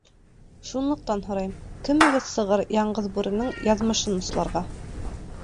Шунлыҡтан һорайым: кемегеҙ сығыр Яңғыҙ Бүренең яҙмышын осларға?